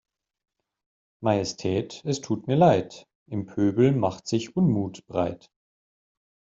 Majestät es tut mir Leid, im Pöbel macht sich Unmut breit.